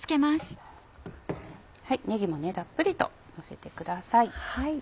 ねぎもたっぷりとのせてください。